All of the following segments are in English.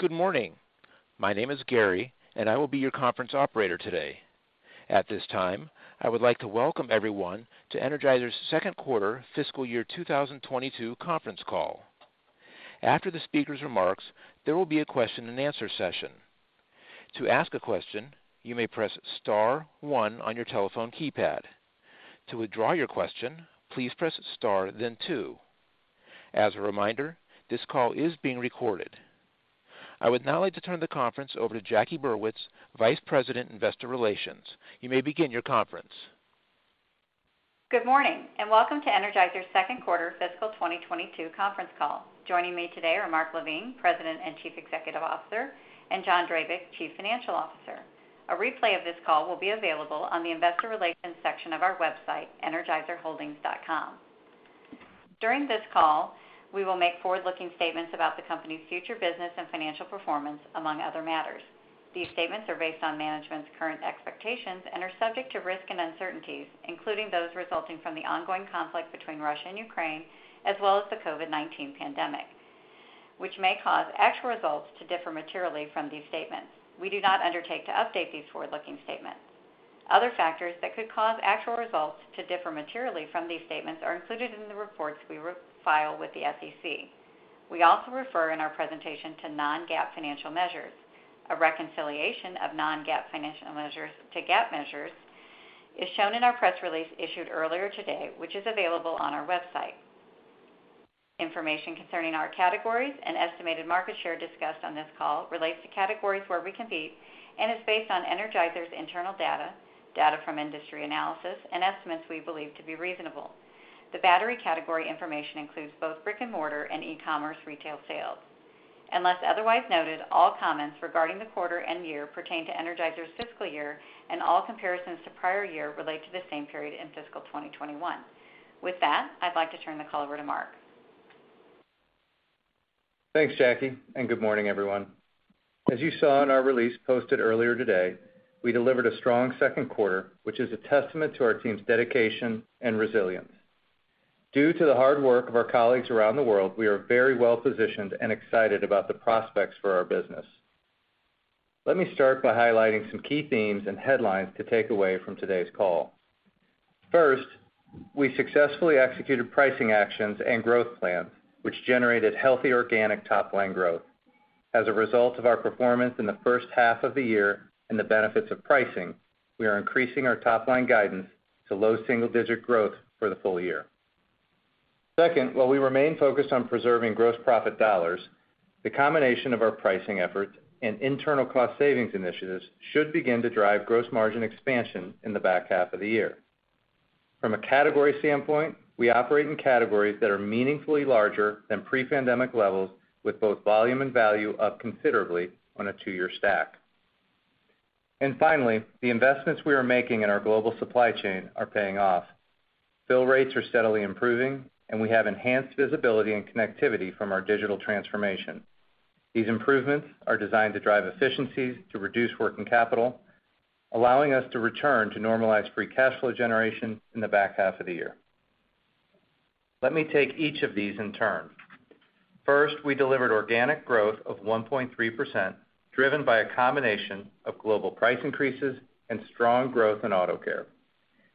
Good morning. My name is Gary, and I will be your conference operator today. At this time, I would like to welcome everyone to Energizer's second quarter fiscal year 2022 conference call. After the speaker's remarks, there will be a question-and-answer session. To ask a question, you may press star one on your telephone keypad. To withdraw your question, please press star then two. As a reminder, this call is being recorded. I would now like to turn the conference over to Jackie Burwitz, Vice President, Investor Relations. You may begin your conference. Good morning, and welcome to Energizer's second quarter fiscal 2022 conference call. Joining me today are Mark LaVigne, President and Chief Executive Officer, and John Drabik, Chief Financial Officer. A replay of this call will be available on the investor relations section of our website, energizerholdings.com. During this call, we will make forward-looking statements about the company's future business and financial performance, among other matters. These statements are based on management's current expectations and are subject to risks and uncertainties, including those resulting from the ongoing conflict between Russia and Ukraine, as well as the COVID-19 pandemic, which may cause actual results to differ materially from these statements. We do not undertake to update these forward-looking statements. Other factors that could cause actual results to differ materially from these statements are included in the reports we re-file with the SEC. We also refer in our presentation to non-GAAP financial measures. A reconciliation of non-GAAP financial measures to GAAP measures is shown in our press release issued earlier today, which is available on our website. Information concerning our categories and estimated market share discussed on this call relates to categories where we compete and is based on Energizer's internal data from industry analysis, and estimates we believe to be reasonable. The battery category information includes both brick-and-mortar and e-commerce retail sales. Unless otherwise noted, all comments regarding the quarter and year pertain to Energizer's fiscal year, and all comparisons to prior year relate to the same period in fiscal 2021. With that, I'd like to turn the call over to Mark. Thanks, Jackie, and good morning, everyone. As you saw in our release posted earlier today, we delivered a strong second quarter, which is a testament to our team's dedication and resilience. Due to the hard work of our colleagues around the world, we are very well-positioned and excited about the prospects for our business. Let me start by highlighting some key themes and headlines to take away from today's call. First, we successfully executed pricing actions and growth plans, which generated healthy organic top-line growth. As a result of our performance in the first half of the year and the benefits of pricing, we are increasing our top-line guidance to low single-digit growth for the full year. Second, while we remain focused on preserving gross profit dollars, the combination of our pricing efforts and internal cost savings initiatives should begin to drive gross margin expansion in the back half of the year. From a category standpoint, we operate in categories that are meaningfully larger than pre-pandemic levels, with both volume and value up considerably on a two-year stack. Finally, the investments we are making in our global supply chain are paying off. Fill rates are steadily improving, and we have enhanced visibility and connectivity from our digital transformation. These improvements are designed to drive efficiencies to reduce working capital, allowing us to return to normalized free cash flow generation in the back half of the year. Let me take each of these in turn. First, we delivered organic growth of 1.3%, driven by a combination of global price increases and strong growth in Auto Care.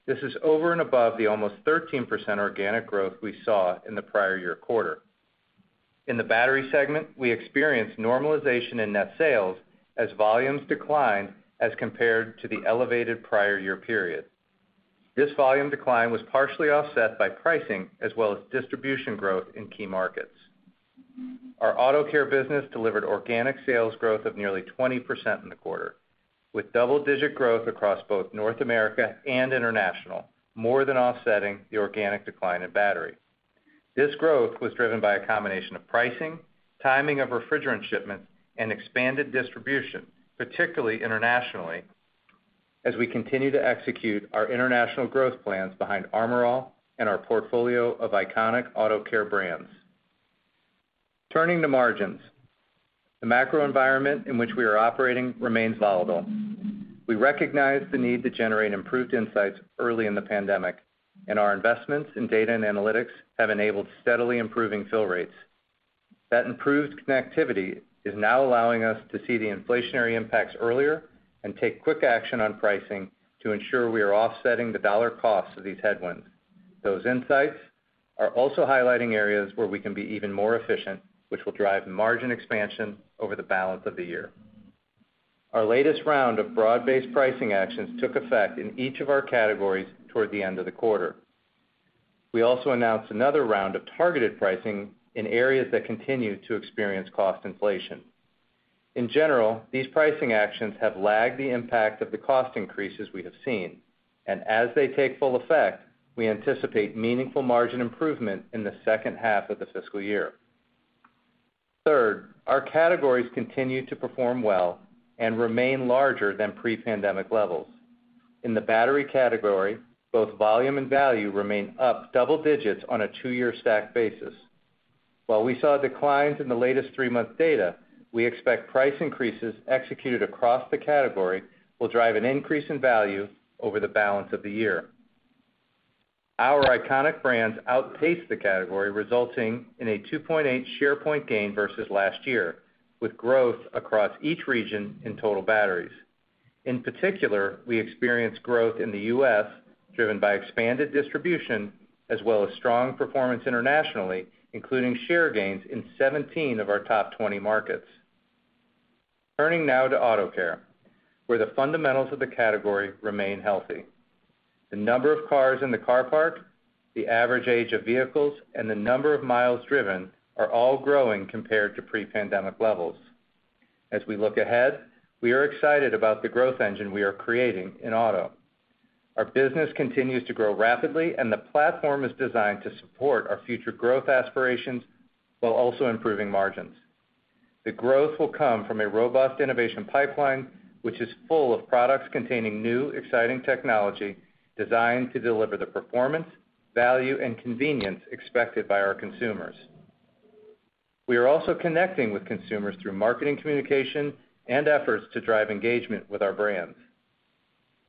This is over and above the almost 13% organic growth we saw in the prior year quarter. In the battery segment, we experienced normalization in net sales as volumes declined as compared to the elevated prior year period. This volume decline was partially offset by pricing as well as distribution growth in key markets. Our Auto Care business delivered organic sales growth of nearly 20% in the quarter, with double-digit growth across both North America and international, more than offsetting the organic decline in battery. This growth was driven by a combination of pricing, timing of refrigerant shipments, and expanded distribution, particularly internationally, as we continue to execute our international growth plans behind Armor All and our portfolio of iconic auto care brands. Turning to margins. The macro environment in which we are operating remains volatile. We recognize the need to generate improved insights early in the pandemic, and our investments in data and analytics have enabled steadily improving fill rates. That improved connectivity is now allowing us to see the inflationary impacts earlier and take quick action on pricing to ensure we are offsetting the dollar costs of these headwinds. Those insights are also highlighting areas where we can be even more efficient, which will drive margin expansion over the balance of the year. Our latest round of broad-based pricing actions took effect in each of our categories toward the end of the quarter. We also announced another round of targeted pricing in areas that continue to experience cost inflation. In general, these pricing actions have lagged the impact of the cost increases we have seen, and as they take full effect, we anticipate meaningful margin improvement in the second half of the fiscal year. Third, our categories continue to perform well and remain larger than pre-pandemic levels. In the battery category, both volume and value remain up double digits on a two-year stack basis. While we saw declines in the latest three-month data, we expect price increases executed across the category will drive an increase in value over the balance of the year. Our iconic brands outpaced the category, resulting in a 2.8 share point gain versus last year, with growth across each region in total batteries. In particular, we experienced growth in the U.S., driven by expanded distribution as well as strong performance internationally, including share gains in 17 of our top 20 markets. Turning now to auto care, where the fundamentals of the category remain healthy. The number of cars in the car parc, the average age of vehicles, and the number of miles driven are all growing compared to pre-pandemic levels. As we look ahead, we are excited about the growth engine we are creating in auto. Our business continues to grow rapidly, and the platform is designed to support our future growth aspirations while also improving margins. The growth will come from a robust innovation pipeline, which is full of products containing new, exciting technology designed to deliver the performance, value, and convenience expected by our consumers. We are also connecting with consumers through marketing communication and efforts to drive engagement with our brands.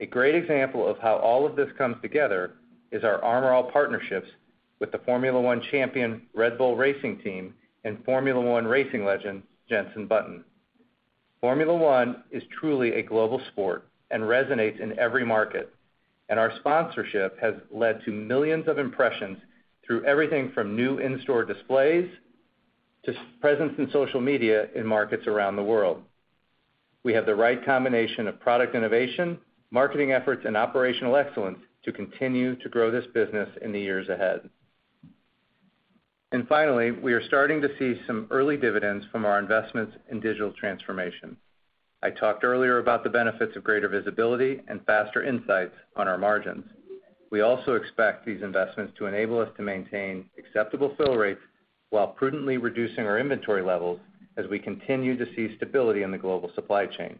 A great example of how all of this comes together is our Armor All partnerships with the Formula One champion, Red Bull Racing team, and Formula One racing legend, Jenson Button. Formula One is truly a global sport and resonates in every market, and our sponsorship has led to millions of impressions through everything from new in-store displays to presence in social media in markets around the world. We have the right combination of product innovation, marketing efforts, and operational excellence to continue to grow this business in the years ahead. Finally, we are starting to see some early dividends from our investments in digital transformation. I talked earlier about the benefits of greater visibility and faster insights on our margins. We also expect these investments to enable us to maintain acceptable fill rates while prudently reducing our inventory levels as we continue to see stability in the global supply chain.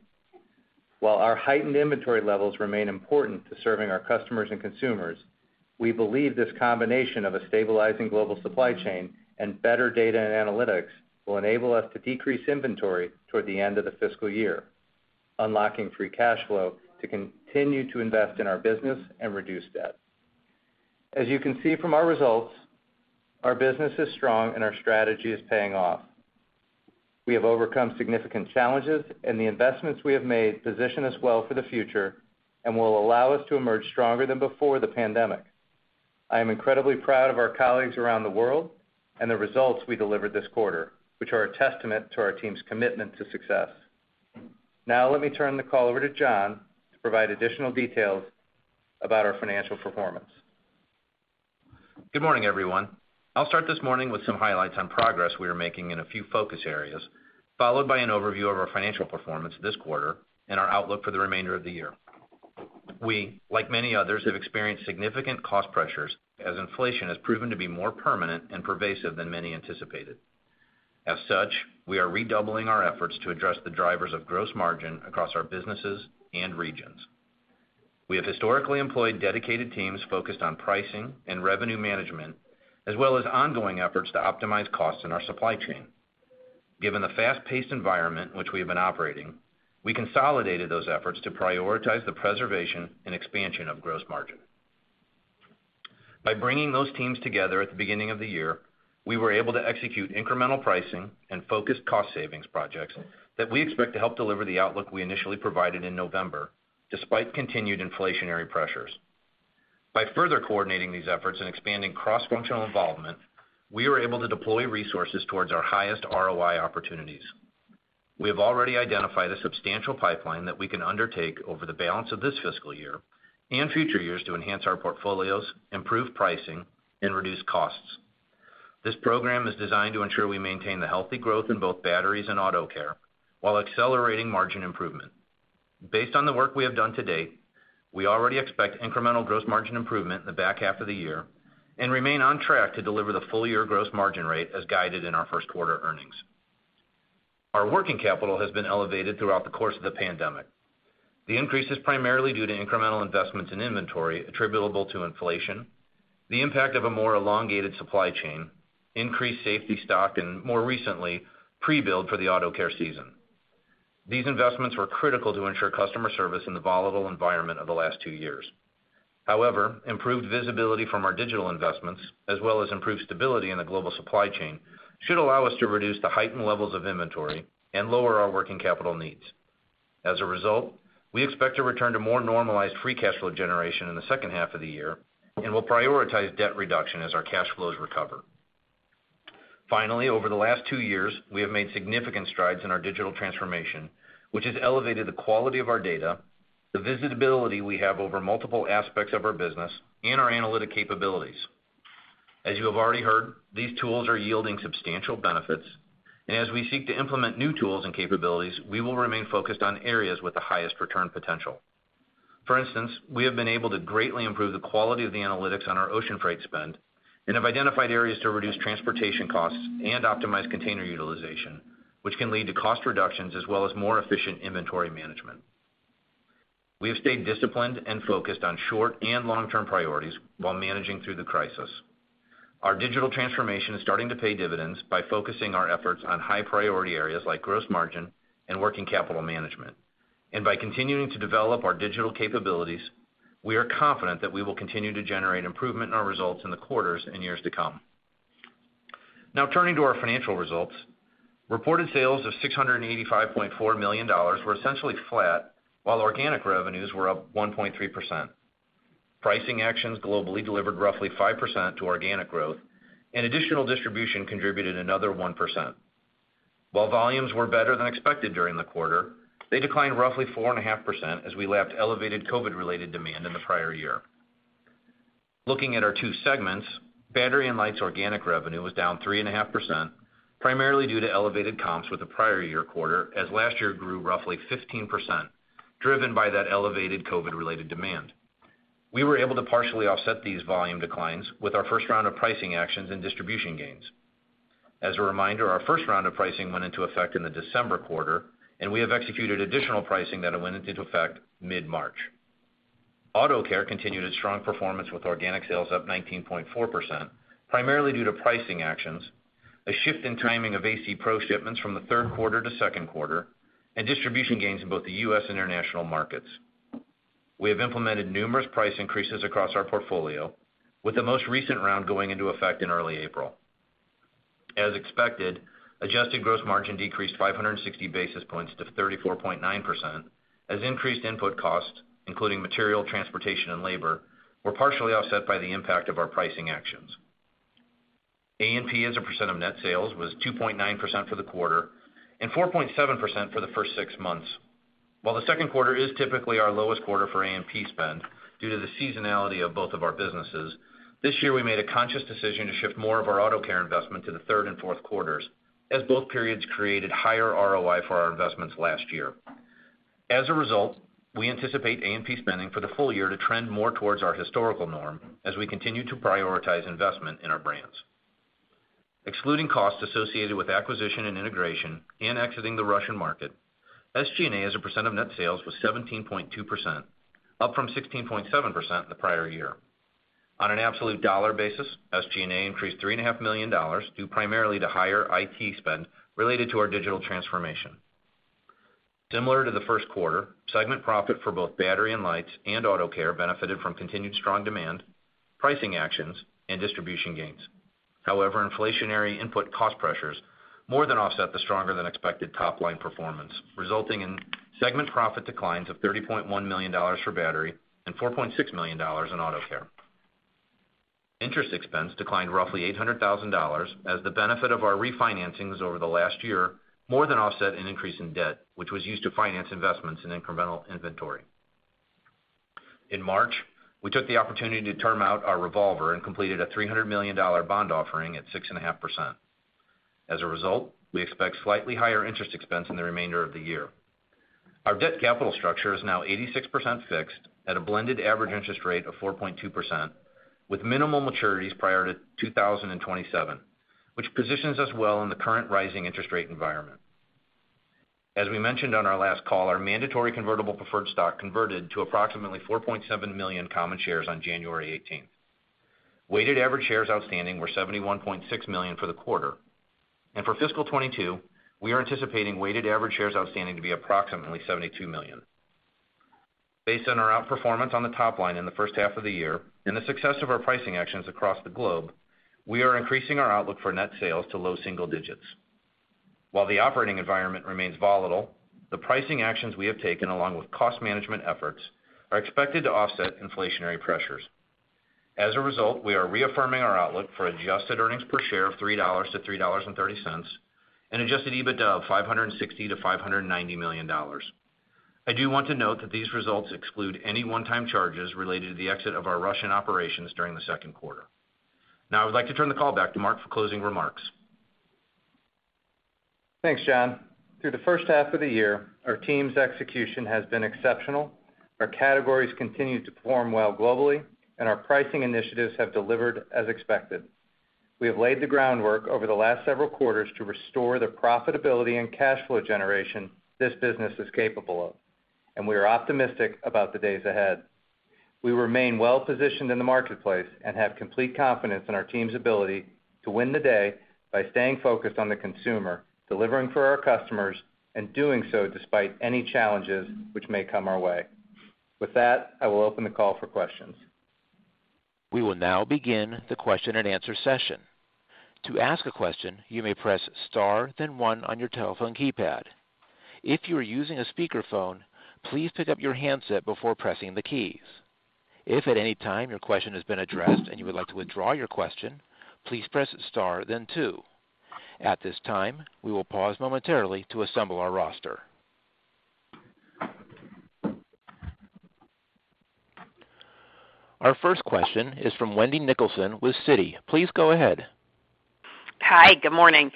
While our heightened inventory levels remain important to serving our customers and consumers, we believe this combination of a stabilizing global supply chain and better data and analytics will enable us to decrease inventory toward the end of the fiscal year, unlocking free cash flow to continue to invest in our business and reduce debt. As you can see from our results, our business is strong and our strategy is paying off. We have overcome significant challenges, and the investments we have made position us well for the future and will allow us to emerge stronger than before the pandemic. I am incredibly proud of our colleagues around the world and the results we delivered this quarter, which are a testament to our team's commitment to success. Now, let me turn the call over to John to provide additional details about our financial performance. Good morning, everyone. I'll start this morning with some highlights on progress we are making in a few focus areas, followed by an overview of our financial performance this quarter and our outlook for the remainder of the year. We, like many others, have experienced significant cost pressures as inflation has proven to be more permanent and pervasive than many anticipated. As such, we are redoubling our efforts to address the drivers of gross margin across our businesses and regions. We have historically employed dedicated teams focused on pricing and revenue management, as well as ongoing efforts to optimize costs in our supply chain. Given the fast-paced environment which we have been operating, we consolidated those efforts to prioritize the preservation and expansion of gross margin. By bringing those teams together at the beginning of the year, we were able to execute incremental pricing and focused cost savings projects that we expect to help deliver the outlook we initially provided in November, despite continued inflationary pressures. By further coordinating these efforts and expanding cross-functional involvement, we were able to deploy resources towards our highest ROI opportunities. We have already identified a substantial pipeline that we can undertake over the balance of this fiscal year and future years to enhance our portfolios, improve pricing, and reduce costs. This program is designed to ensure we maintain the healthy growth in both batteries and auto care while accelerating margin improvement. Based on the work we have done to date, we already expect incremental gross margin improvement in the back half of the year and remain on track to deliver the full year gross margin rate as guided in our first quarter earnings. Our working capital has been elevated throughout the course of the pandemic. The increase is primarily due to incremental investments in inventory attributable to inflation, the impact of a more elongated supply chain, increased safety stock, and more recently, pre-build for the Auto Care season. These investments were critical to ensure customer service in the volatile environment of the last two years. However, improved visibility from our digital investments, as well as improved stability in the global supply chain, should allow us to reduce the heightened levels of inventory and lower our working capital needs. As a result, we expect to return to more normalized free cash flow generation in the second half of the year and will prioritize debt reduction as our cash flows recover. Finally, over the last two years, we have made significant strides in our digital transformation, which has elevated the quality of our data, the visibility we have over multiple aspects of our business, and our analytic capabilities. As you have already heard, these tools are yielding substantial benefits, and as we seek to implement new tools and capabilities, we will remain focused on areas with the highest return potential. For instance, we have been able to greatly improve the quality of the analytics on our ocean freight spend and have identified areas to reduce transportation costs and optimize container utilization, which can lead to cost reductions as well as more efficient inventory management. We have stayed disciplined and focused on short and long-term priorities while managing through the crisis. Our digital transformation is starting to pay dividends by focusing our efforts on high-priority areas like gross margin and working capital management. By continuing to develop our digital capabilities, we are confident that we will continue to generate improvement in our results in the quarters and years to come. Now turning to our financial results. Reported sales of $685.4 million were essentially flat, while organic revenues were up 1.3%. Pricing actions globally delivered roughly 5% to organic growth, and additional distribution contributed another 1%. While volumes were better than expected during the quarter, they declined roughly 4.5% as we lapped elevated COVID-related demand in the prior year. Looking at our two segments, Battery and Lights organic revenue was down 3.5%, primarily due to elevated comps with the prior year quarter as last year grew roughly 15%, driven by that elevated COVID-related demand. We were able to partially offset these volume declines with our first round of pricing actions and distribution gains. As a reminder, our first round of pricing went into effect in the December quarter, and we have executed additional pricing that went into effect mid-March. Auto Care continued its strong performance with organic sales up 19.4%, primarily due to pricing actions, a shift in timing of A/C Pro shipments from the third quarter to second quarter, and distribution gains in both the U.S. and international markets. We have implemented numerous price increases across our portfolio, with the most recent round going into effect in early April. As expected, adjusted gross margin decreased 560 basis points to 34.9% as increased input costs, including material, transportation, and labor, were partially offset by the impact of our pricing actions. A&P as a percent of net sales was 2.9% for the quarter and 4.7% for the first six months. While the second quarter is typically our lowest quarter for A&P spend due to the seasonality of both of our businesses, this year we made a conscious decision to shift more of our Auto Care investment to the third and fourth quarters, as both periods created higher ROI for our investments last year. As a result, we anticipate A&P spending for the full year to trend more towards our historical norm as we continue to prioritize investment in our brands. Excluding costs associated with acquisition and integration and exiting the Russian market, SG&A as a percent of net sales was 17.2%, up from 16.7% the prior year. On an absolute dollar basis, SG&A increased $3,500,000 due primarily to higher IT spend related to our digital transformation. Similar to the first quarter, segment profit for both Battery and Lights and Auto Care benefited from continued strong demand, pricing actions, and distribution gains. However, inflationary input cost pressures more than offset the stronger-than-expected top-line performance, resulting in segment profit declines of $30.1 million for Battery and $4.6 million in Auto Care. Interest expense declined roughly $800,000 as the benefit of our refinancings over the last year more than offset an increase in debt, which was used to finance investments in incremental inventory. In March, we took the opportunity to term out our revolver and completed a $300 million bond offering at 6.5%. As a result, we expect slightly higher interest expense in the remainder of the year. Our debt capital structure is now 86% fixed at a blended average interest rate of 4.2% with minimal maturities prior to 2027, which positions us well in the current rising interest rate environment. As we mentioned on our last call, our mandatory convertible preferred stock converted to approximately 4.7 million common shares on January 18th. Weighted average shares outstanding were 71.6 million for the quarter. For fiscal 2022, we are anticipating weighted average shares outstanding to be approximately 72 million. Based on our outperformance on the top line in the first half of the year and the success of our pricing actions across the globe, we are increasing our outlook for net sales to low single digits. While the operating environment remains volatile, the pricing actions we have taken, along with cost management efforts, are expected to offset inflationary pressures. As a result, we are reaffirming our outlook for adjusted earnings per share of $3-$3.30 and adjusted EBITDA of $560 million-$590 million. I do want to note that these results exclude any one-time charges related to the exit of our Russian operations during the second quarter. Now I would like to turn the call back to Mark for closing remarks. Thanks, John. Through the first half of the year, our team's execution has been exceptional. Our categories continue to perform well globally and our pricing initiatives have delivered as expected. We have laid the groundwork over the last several quarters to restore the profitability and cash flow generation this business is capable of, and we are optimistic about the days ahead. We remain well-positioned in the marketplace and have complete confidence in our team's ability to win the day by staying focused on the consumer, delivering for our customers, and doing so despite any challenges which may come our way. With that, I will open the call for questions. We will now begin the question-and-answer session. To ask a question, you may press star then one on your telephone keypad. If you are using a speakerphone, please pick up your handset before pressing the keys. If at any time your question has been addressed and you would like to withdraw your question, please press star then two. At this time, we will pause momentarily to assemble our roster. Our first question is from Wendy Nicholson with Citi. Please go ahead. Hi, good morning.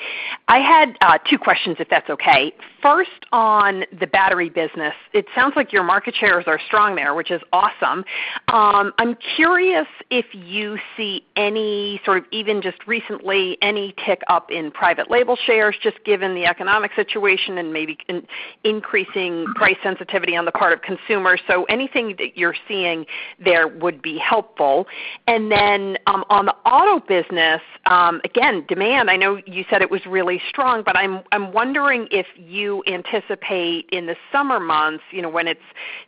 I had two questions, if that's okay. First, on the battery business, it sounds like your market shares are strong there, which is awesome. I'm curious if you see any sort of, even just recently, any tick up in private label shares, just given the economic situation and maybe increasing price sensitivity on the part of consumers. Anything that you're seeing there would be helpful. On the auto business, again, demand, I know you said it was really strong, but I'm wondering if you anticipate in the summer months, you know, when it's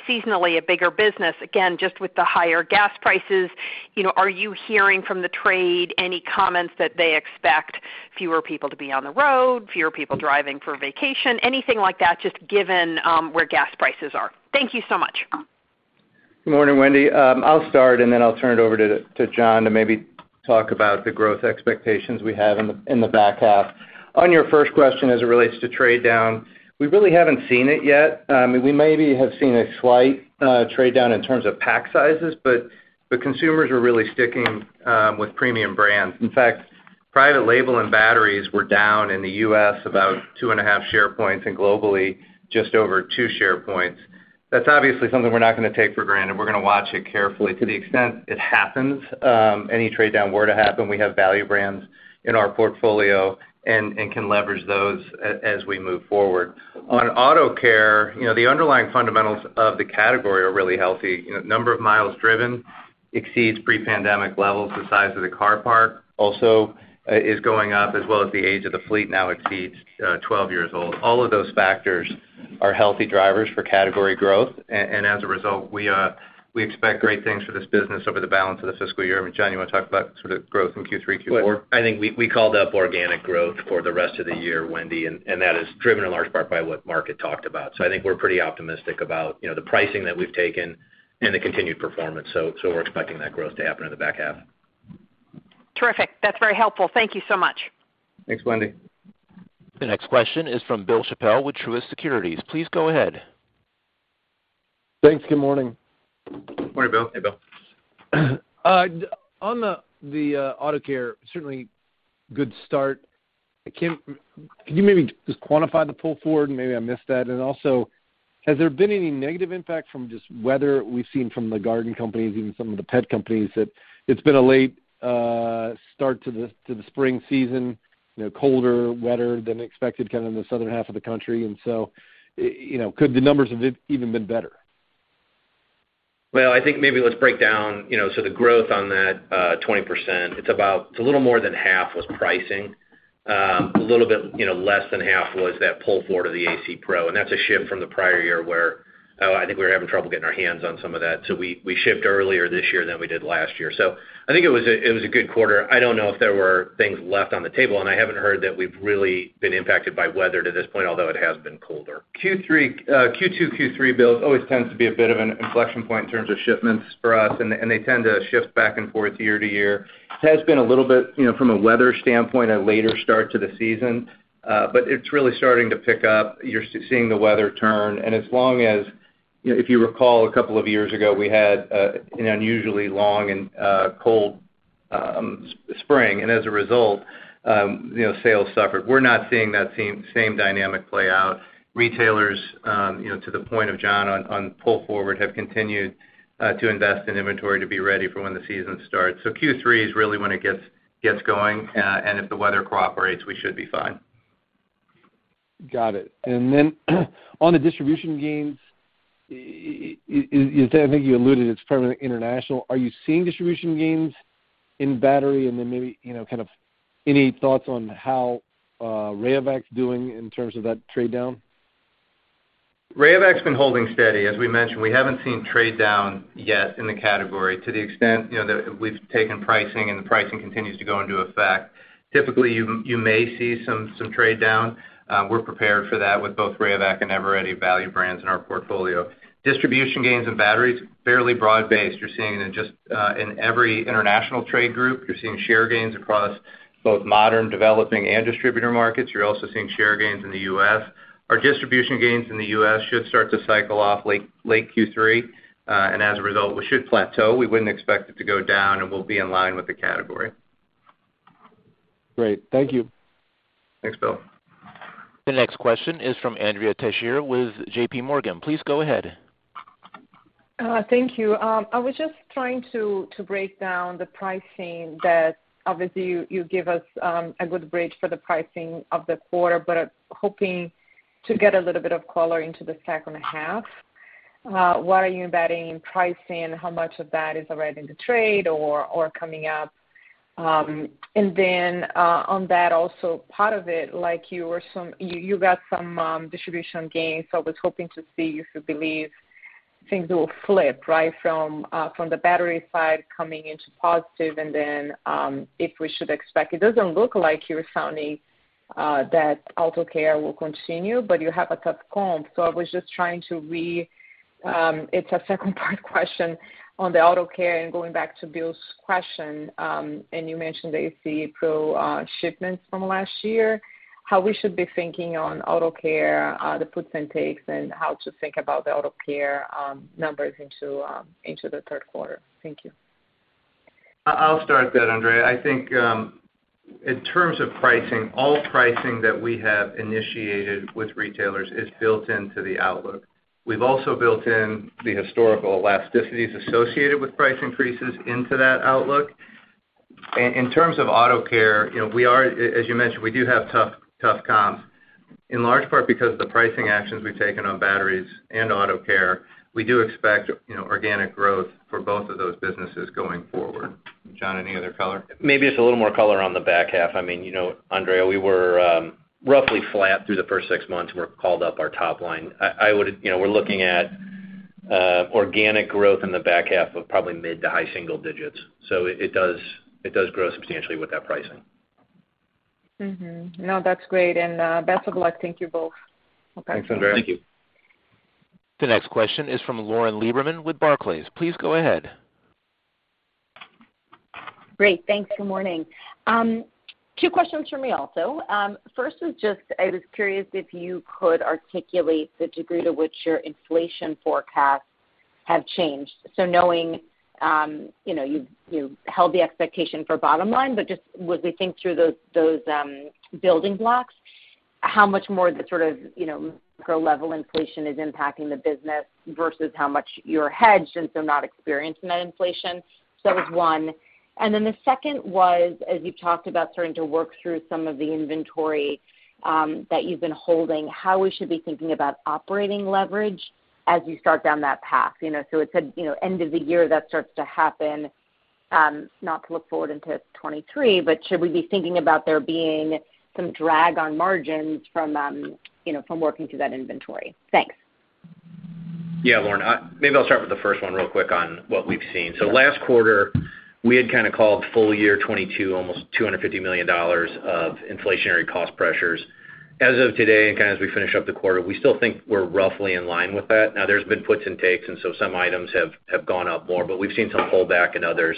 Seasonally a bigger business, again, just with the higher gas prices. You know, are you hearing from the trade any comments that they expect fewer people to be on the road, fewer people driving for vacation, anything like that, just given where gas prices are? Thank you so much. Good morning, Wendy. I'll start, and then I'll turn it over to John to maybe talk about the growth expectations we have in the back half. On your first question as it relates to trade down, we really haven't seen it yet. We maybe have seen a slight trade down in terms of pack sizes, but the consumers are really sticking with premium brands. In fact, private label and batteries were down in the U.S. about 2.5 share points, and globally, just over 2 share points. That's obviously something we're not gonna take for granted. We're gonna watch it carefully. To the extent it happens, any trade down were to happen, we have value brands in our portfolio and can leverage those as we move forward. On auto care, you know, the underlying fundamentals of the category are really healthy. You know, number of miles driven exceeds pre-pandemic levels. The size of the car parc also is going up, as well as the age of the fleet now exceeds 12 years old. All of those factors are healthy drivers for category growth. As a result, we expect great things for this business over the balance of the fiscal year. I mean, John, you wanna talk about sort of growth in Q3, Q4? Well, I think we called up organic growth for the rest of the year, Wendy, and that is driven in large part by what Mark LaVigne talked about. I think we're pretty optimistic about, you know, the pricing that we've taken and the continued performance. We're expecting that growth to happen in the back half. Terrific. That's very helpful. Thank you so much. Thanks, Wendy. The next question is from Bill Chappell with Truist Securities. Please go ahead. Thanks. Good morning. Morning, Bill. Hey, Bill. On the Auto Care, certainly good start. Can you maybe just quantify the pull forward? Maybe I missed that. Has there been any negative impact from just the weather we've seen from the garden companies, even some of the pet companies, that it's been a late start to the spring season, you know, colder, wetter than expected kind of in the southern half of the country? You know, could the numbers have been even better? Well, I think maybe let's break down, you know, the growth on that 20%, it's a little more than half was pricing. A little bit, you know, less than half was that pull forward of the A/C Pro, and that's a shift from the prior year where I think we were having trouble getting our hands on some of that. We shipped earlier this year than we did last year. I think it was a good quarter. I don't know if there were things left on the table, and I haven't heard that we've really been impacted by weather to this point, although it has been colder. Q2, Q3 builds always tends to be a bit of an inflection point in terms of shipments for us, and they tend to shift back and forth year to year. It has been a little bit, you know, from a weather standpoint, a later start to the season, but it's really starting to pick up. You're seeing the weather turn. You know, if you recall, a couple of years ago, we had an unusually long and cold spring. And as a result, you know, sales suffered. We're not seeing that same dynamic play out. Retailers, you know, to the point of John on pull forward, have continued to invest in inventory to be ready for when the season starts. Q3 is really when it gets going, and if the weather cooperates, we should be fine. Got it. On the distribution gains, I think you alluded it's from an international. Are you seeing distribution gains in battery and then maybe, you know, kind of any thoughts on how Rayovac's doing in terms of that trade down? Rayovac's been holding steady. As we mentioned, we haven't seen trade down yet in the category to the extent, you know, that we've taken pricing and the pricing continues to go into effect. Typically, you may see some trade down. We're prepared for that with both Rayovac and Eveready value brands in our portfolio. Distribution gains and batteries, fairly broad-based. You're seeing it in just about every international trade group. You're seeing share gains across both modern, developing, and distributor markets. You're also seeing share gains in the U.S. Our distribution gains in the U.S. should start to cycle off late Q3, and as a result, we should plateau. We wouldn't expect it to go down, and we'll be in line with the category. Great. Thank you. Thanks, Bill. The next question is from Andrea Teixeira with JPMorgan. Please go ahead. Thank you. I was just trying to break down the pricing that obviously you give us a good bridge for the pricing of the quarter, but hoping to get a little bit of color into the second half. What are you embedding in pricing? How much of that is already in the trade or coming up? On that also, part of it, like you got some distribution gains. I was hoping to see if you believe things will flip, right, from the battery side coming into positive and then if we should expect. It doesn't look like you're sounding that Auto Care will continue, but you have a tough comp. It's a second part question on the Auto Care and going back to Bill's question, and you mentioned the A/C Pro shipments from last year, how we should be thinking on Auto Care, the puts and takes and how to think about the Auto Care numbers into the third quarter. Thank you. I'll start that, Andrea. I think, in terms of pricing, all pricing that we have initiated with retailers is built into the outlook. We've also built in the historical elasticities associated with price increases into that outlook. In terms of Auto Care, you know, as you mentioned, we do have tough comps. In large part because of the pricing actions we've taken on batteries and Auto Care, we do expect, you know, organic growth for both of those businesses going forward. John, any other color? Maybe just a little more color on the back half. I mean, you know, Andrea, we were roughly flat through the first six months. We called up our top line. You know, we're looking at organic growth in the back half of probably mid- to high-single-digit. It does grow substantially with that pricing. Mm-hmm. No, that's great. Best of luck. Thank you both. Okay. Thanks, Andrea. Thank you. The next question is from Lauren Lieberman with Barclays. Please go ahead. Great. Thanks. Good morning. Two questions from me also. First is just, I was curious if you could articulate the degree to which your inflation forecasts have changed. Knowing, you know, you've held the expectation for bottom line, but just as we think through those building blocks, how much more the sort of, you know, pro level inflation is impacting the business versus how much you're hedged and so not experiencing that inflation. That was one. The second was, as you've talked about starting to work through some of the inventory that you've been holding, how we should be thinking about operating leverage as you start down that path. You know, it's a, you know, end of the year that starts to happen, not to look forward into 2023, but should we be thinking about there being some drag on margins from, you know, from working through that inventory? Thanks. Yeah, Lauren, maybe I'll start with the first one real quick on what we've seen. Last quarter, we had kinda called full year 2022 almost $250 million of inflationary cost pressures. As of today, and kinda as we finish up the quarter, we still think we're roughly in line with that. Now, there's been puts and takes, and some items have gone up more, but we've seen some pull back in others.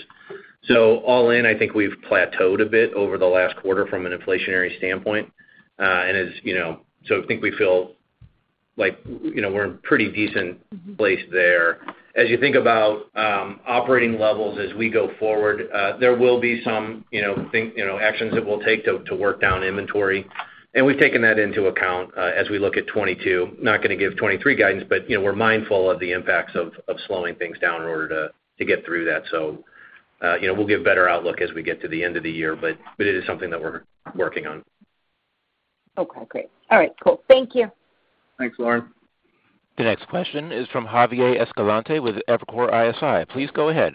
All in, I think we've plateaued a bit over the last quarter from an inflationary standpoint. And as you know, I think we feel like, you know, we're in pretty decent place there. As you think about operating levels as we go forward, there will be some, you know, actions that we'll take to work down inventory. We've taken that into account, as we look at 2022. Not gonna give 2023 guidance, but, you know, we're mindful of the impacts of slowing things down in order to get through that. You know, we'll give better outlook as we get to the end of the year, but it is something that we're working on. Okay, great. All right, cool. Thank you. Thanks, Lauren. The next question is from Javier Escalante with Evercore ISI. Please go ahead.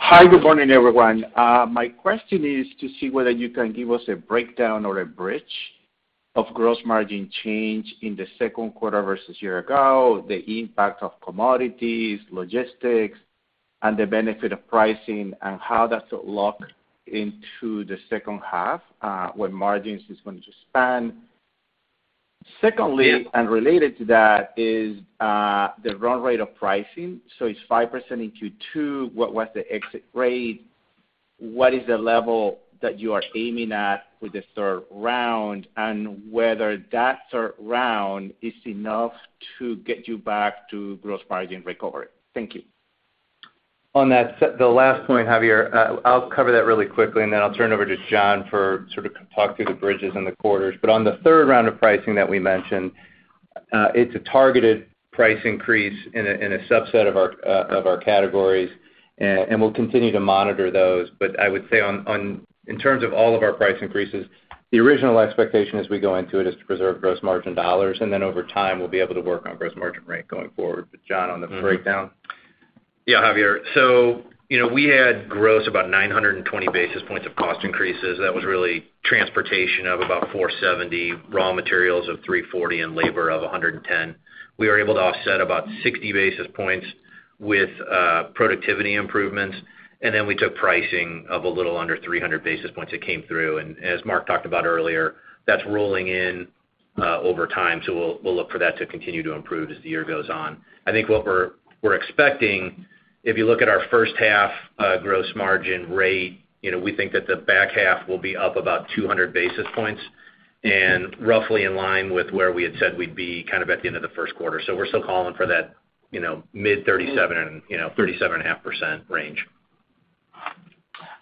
Hi. Good morning, everyone. My question is to see whether you can give us a breakdown or a bridge of gross margin change in the second quarter versus year-ago, the impact of commodities, logistics, and the benefit of pricing, and how does it look into the second half, when margins is going to expand. Secondly, and related to that is, the run rate of pricing. So it's 5% in Q2. What was the exit rate? What is the level that you are aiming at with the third round? And whether that third round is enough to get you back to gross margin recovery. Thank you. On the last point, Javier, I'll cover that really quickly, and then I'll turn it over to John for sort of talk through the bridges and the quarters. On the third round of pricing that we mentioned, it's a targeted price increase in a subset of our categories, and we'll continue to monitor those. I would say in terms of all of our price increases, the original expectation as we go into it is to preserve gross margin dollars, and then over time, we'll be able to work on gross margin rate going forward. John, on the breakdown. Yeah, Javier. You know, we had gross about 920 basis points of cost increases. That was really transportation of about 470, raw materials of 340, and labor of 110. We were able to offset about 60 basis points with productivity improvements, and then we took pricing of a little under 300 basis points that came through. As Mark talked about earlier, that's rolling in over time, so we'll look for that to continue to improve as the year goes on. I think what we're expecting, if you look at our first half gross margin rate, you know, we think that the back half will be up about 200 basis points and roughly in line with where we had said we'd be kind of at the end of the first quarter. We're still calling for that, you know, mid-37%, you know, 37.5% range.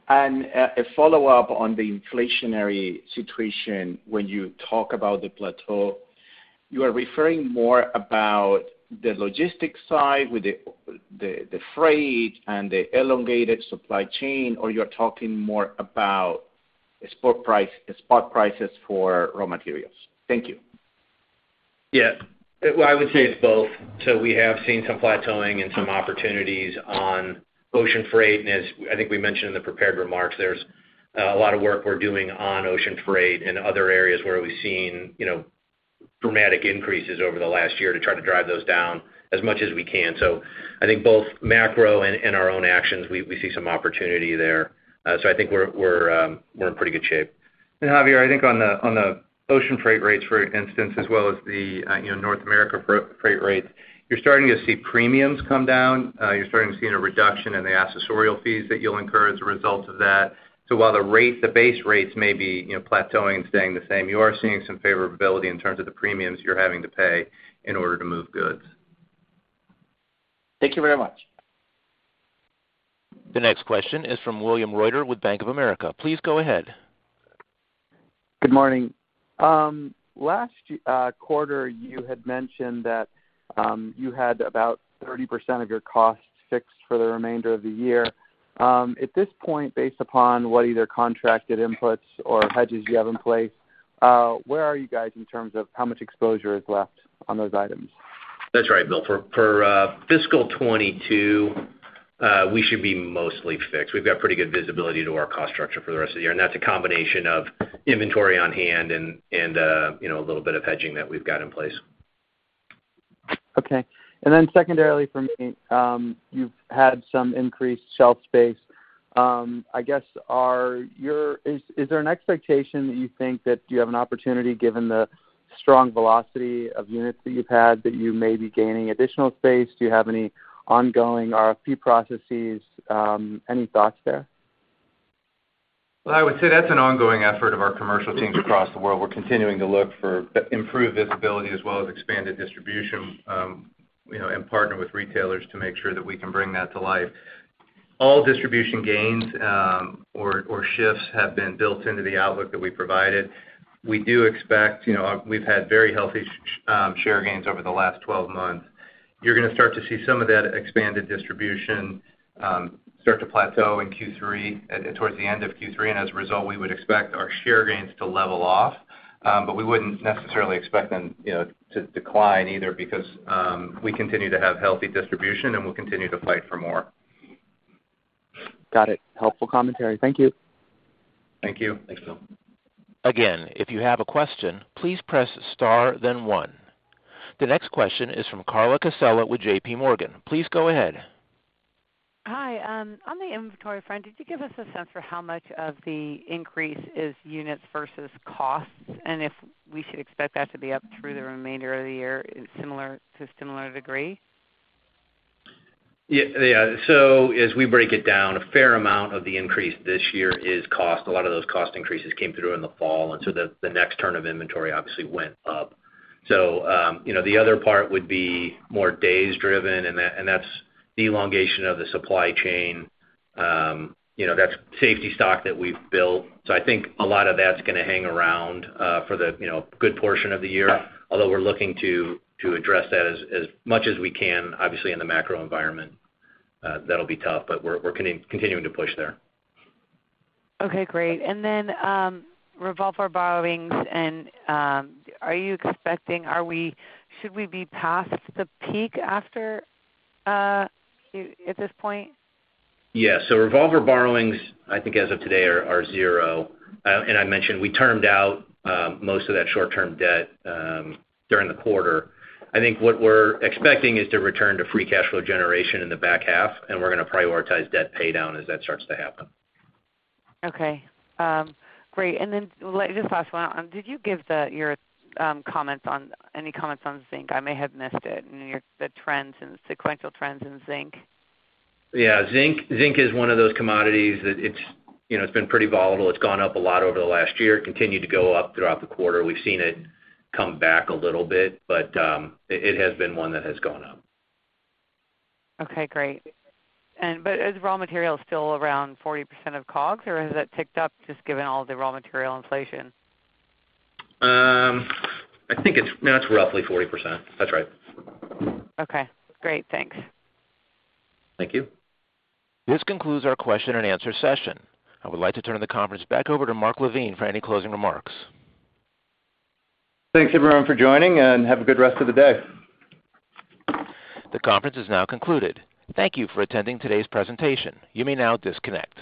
A follow-up on the inflationary situation. When you talk about the plateau, you are referring more about the logistics side with the freight and the elongated supply chain, or you're talking more about spot prices for raw materials? Thank you. Yeah. Well, I would say it's both. We have seen some plateauing and some opportunities on ocean freight. As I think we mentioned in the prepared remarks, there's a lot of work we're doing on ocean freight and other areas where we've seen, you know, dramatic increases over the last year to try to drive those down as much as we can. I think both macro and our own actions, we see some opportunity there. I think we're in pretty good shape. Javier, I think on the ocean freight rates, for instance, as well as the, you know, North America freight rates, you're starting to see premiums come down. You're starting to see a reduction in the accessorial fees that you'll incur as a result of that. While the rate, the base rates may be, you know, plateauing and staying the same, you are seeing some favorability in terms of the premiums you're having to pay in order to move goods. Thank you very much. The next question is from William Reuter with Bank of America. Please go ahead. Good morning. Last quarter, you had mentioned that you had about 30% of your costs fixed for the remainder of the year. At this point, based upon what either contracted inputs or hedges you have in place, where are you guys in terms of how much exposure is left on those items? That's right Bill. For fiscal 2022, we should be mostly fixed. We've got pretty good visibility to our cost structure for the rest of the year, and that's a combination of inventory on hand and you know, a little bit of hedging that we've got in place. Okay. Secondarily for me, you've had some increased shelf space. I guess, is there an expectation that you think that you have an opportunity, given the strong velocity of units that you've had, that you may be gaining additional space? Do you have any ongoing RFP processes? Any thoughts there? Well, I would say that's an ongoing effort of our commercial teams across the world. We're continuing to look for improved visibility as well as expanded distribution, you know, and partner with retailers to make sure that we can bring that to life. All distribution gains, or shifts have been built into the outlook that we provided. We do expect, you know, we've had very healthy share gains over the last 12 months. You're gonna start to see some of that expanded distribution start to plateau in Q3, towards the end of Q3. As a result, we would expect our share gains to level off. We wouldn't necessarily expect them, you know, to decline either because we continue to have healthy distribution, and we'll continue to fight for more. Got it. Helpful commentary. Thank you. Thank you. Thanks, Bill. Again, if you have a question, please press star then one. The next question is from Carla Casella with JPMorgan. Please go ahead. Hi. On the inventory front, did you give us a sense for how much of the increase is units versus costs, and if we should expect that to be up through the remainder of the year in a similar degree? Yeah. As we break it down, a fair amount of the increase this year is cost. A lot of those cost increases came through in the fall, and the next turn of inventory obviously went up. You know, the other part would be more days driven, and that's elongation of the supply chain. You know, that's safety stock that we've built. I think a lot of that's gonna hang around for the good portion of the year, although we're looking to address that as much as we can. Obviously, in the macro environment, that'll be tough, but we're continuing to push there. Okay, great. Revolver borrowings and are you expecting? Should we be past the peak after Q at this point? Yeah. Revolver borrowings, I think as of today, are zero. I mentioned we termed out most of that short-term debt during the quarter. I think what we're expecting is to return to free cash flow generation in the back half, and we're gonna prioritize debt paydown as that starts to happen. Okay. Great. Just last one. Did you give your comments on any comments on zinc? I may have missed it. You know, the trends and sequential trends in zinc. Yeah, zinc is one of those commodities that it's, you know, it's been pretty volatile. It's gone up a lot over the last year, continued to go up throughout the quarter. We've seen it come back a little bit, but it has been one that has gone up. Okay, great. Is raw material still around 40% of COGS, or has that ticked up just given all the raw material inflation? It's roughly 40%. That's right. Okay, great. Thanks. Thank you. This concludes our question and answer session. I would like to turn the conference back over to Mark LaVigne for any closing remarks. Thanks everyone for joining, and have a good rest of the day. The conference is now concluded. Thank you for attending today's presentation. You may now disconnect.